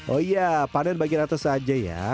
oh iya panen bagian atas saja ya